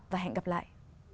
và hẹn gặp lại